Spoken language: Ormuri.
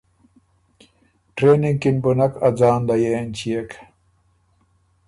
ټرېننګ کی ن بُو نک ا ځان لیه اېنچيېک۔